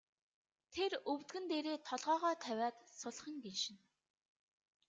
Тэр өвдгөн дээрээ толгойгоо тавиад сулхан гиншинэ.